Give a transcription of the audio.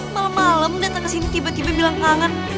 malem malem dateng kesini tiba tiba bilang kangen